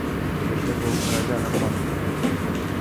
Табе трэба ў караля гармату папрасіць!